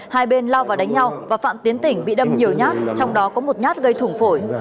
hai bên lao vào đánh nhau và phạm tiến tỉnh bị đâm nhiều nhát trong đó có một nhát gây thủng phổi